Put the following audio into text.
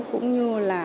cũng như là